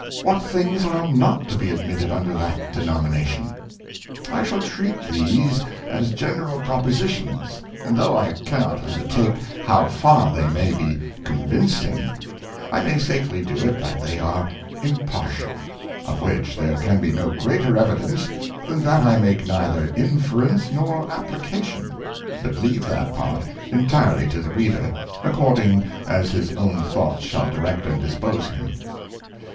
What things are not to be admitted under that denomination. I shall treat these as general Propositions, and though I cannot undertake how far they may be convincing, I may safely^ do it that they are impartial ; of which there can be no greater evidence than thatr I make neither Inference nor Application, but leave that part entirely to the Reader, according as his own Thoughts shall direct and dispose him.